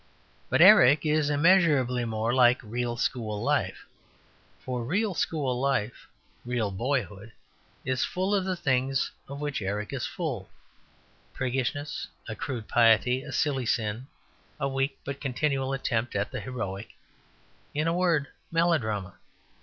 But "Eric" is immeasurably more like real school life. For real school life, real boyhood, is full of the things of which Eric is full priggishness, a crude piety, a silly sin, a weak but continual attempt at the heroic, in a word, melodrama.